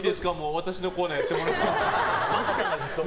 私のコーナーやってもらって。